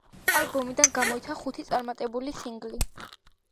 ალბომიდან გამოიცა ხუთი წარმატებული სინგლი.